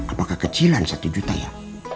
apakah kecilan satu juta ya